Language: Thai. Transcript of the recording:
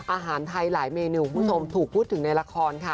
อาหารไทยหลายเมนูคุณผู้ชมถูกพูดถึงในละครค่ะ